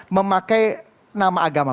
memakai nama agama